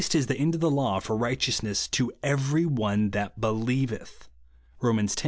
105 the Bnd of the law for righteousDess to every one ihai believeth" (Rom. x.